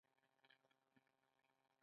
ایا پوستکی مو وچیږي؟